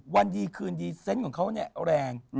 วันดีคืนดีเซนต์ของเขาเนี่ยแรง